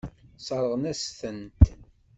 Sseṛɣen-as-tent.